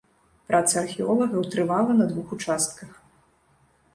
Праца археолагаў трывала на двух участках.